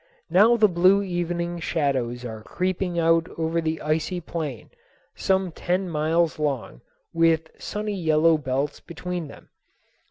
Now the blue evening shadows are creeping out over the icy plain, some ten miles long, with sunny yellow belts between them.